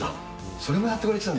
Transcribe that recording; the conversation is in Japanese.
それもやってくれてたんだ。